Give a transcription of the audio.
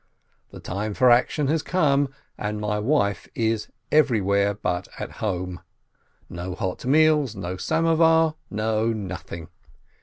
The time for action has come, and my wife is anywhere but at home. No hot meals, no samovar, no nothing!